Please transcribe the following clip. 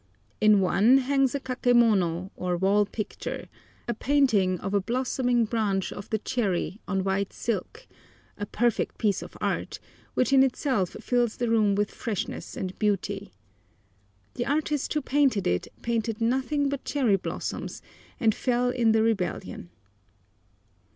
In one hangs a kakemono, or wall picture, a painting of a blossoming branch of the cherry on white silk—a perfect piece of art, which in itself fills the room with freshness and beauty. The artist who painted it painted nothing but cherry blossoms, and fell in the rebellion.